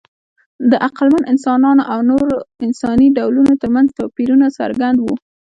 د عقلمن انسانانو او نورو انساني ډولونو ترمنځ توپیرونه څرګند وو.